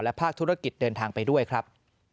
ภาคธุรกิจเดินทางไปด้วยครับ